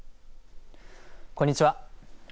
こんにちは。